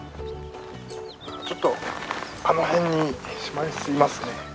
ちょっとあの辺にシマリスいますね。